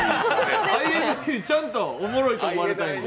ＩＮＩにちゃんとおもろいと思われたいんで。